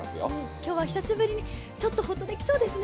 今日は久しぶりにちょっとほっとできそうですね。